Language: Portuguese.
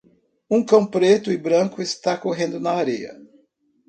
Um cão preto e branco está correndo na areia.